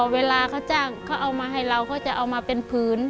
เวลาเขาจะเอามาให้เราก็จะเป็นผืน